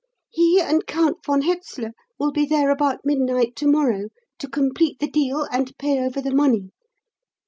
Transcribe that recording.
He and Count von Hetzler will be there about midnight to morrow to complete the deal and pay over the money.